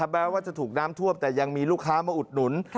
แม้ว่าจะถูกน้ำท่วมแต่ยังมีลูกค้ามาอุดหนุน